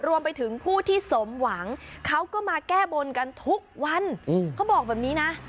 รวมไปถึงผู้ที่สมหวังเขาก็มาแก้บนกันทุกวันเขาบอกแบบนี้นะ